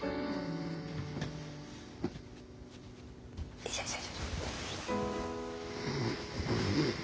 よいしょよいしょ。